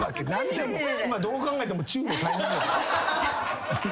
今どう考えてもチューのタイミング。